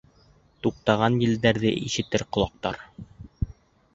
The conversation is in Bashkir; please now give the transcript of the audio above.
Туҡтаған елдәрҙе Ишетер ҡолаҡтар —